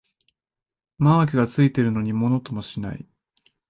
マークがついてるのにものともしない